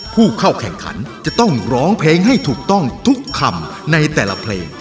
ผู้เข้าแข่งขันจะต้องร้องเพลงให้ถูกต้องทุกคำในแต่ละเพลง